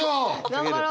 頑張ろう。